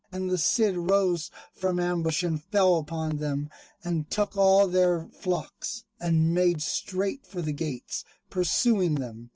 And the Cid rose from ambush and fell upon them, and took all their flocks, and made straight for the gates, pursuing them.